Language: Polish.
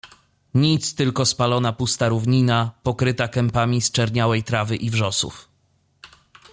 Nic — tylko spalona pusta równina, pokryta kępami sczerniałej trawy i wrzosów.